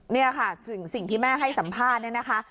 นี่ค่ะสิ่งที่แม่ให้สัมภาษณ์เนี่ยนะคะ